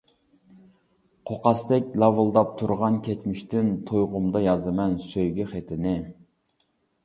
قوقاستەك لاۋۇلداپ تۇرغان كەچمىشتىن، تۇيغۇمدا يازىمەن سۆيگۈ خېتىنى.